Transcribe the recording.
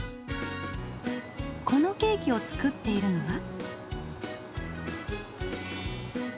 このケーキを作っているのは。